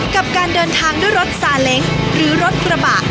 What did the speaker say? กับการเดินทางด้วยรถซาเล้งหรือรถกระบะ